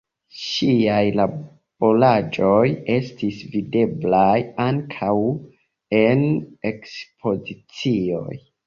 Ŝiaj laboraĵoj estis videblaj ankaŭ en ekspozicioj.